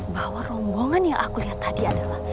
bahwa rombongan yang aku lihat tadi adalah